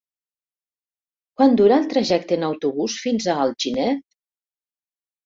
Quant dura el trajecte en autobús fins a Alginet?